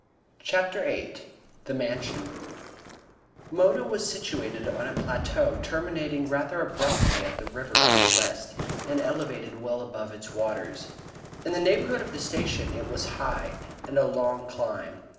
CHAPTER VIII The Mansion Mona was situated on a plateau terminating rather abruptly at the river on the west, and elevated well above its waters. In the neighborhood of the station it was high, and a long climb.